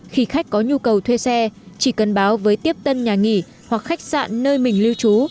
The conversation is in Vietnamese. khi khách có nhu cầu thuê xe chỉ cần báo với tiếp tân nhà nghỉ hoặc khách sạn nơi mình lưu trú